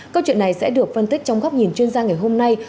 câu chuyện này sẽ được phân tích trong góc nhìn chuyên gia ngày hôm nay